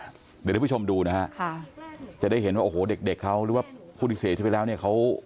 เดี๋ยวทุกผู้ชมดูนะฮะจะได้เห็นว่าโอ้โหเด็กเขาหรือว่าผู้ที่เสียชีวิตไปแล้วเนี่ยเขา